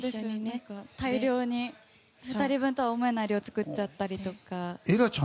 大量に２人分とは思えない量を作っちゃったりとか。